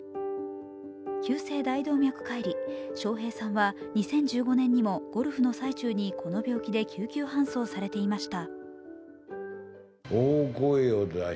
急性大動脈解離、笑瓶さんは２０１５年にもゴルフの最中にこの病気で救急搬送されていました。